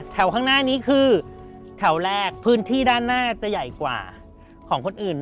ข้างหน้านี้คือแถวแรกพื้นที่ด้านหน้าจะใหญ่กว่าของคนอื่น